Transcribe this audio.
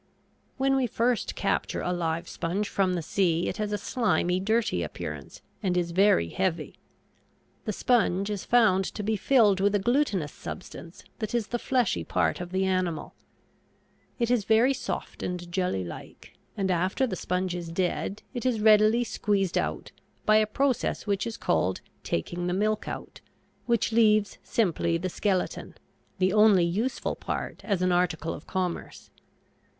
When we first capture a live sponge from the sea it has a slimy, dirty appearance, and is very heavy. The sponge is found to be filled with a glutinous substance that is the fleshy part of the animal. It is very soft and jelly like, and after the sponge is dead it is readily squeezed out, by a process which is called "taking the milk out," which leaves simply the skeleton, the only useful part as an article of commerce.